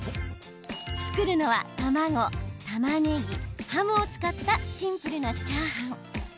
作るのは卵、たまねぎ、ハムを使ったシンプルなチャーハン。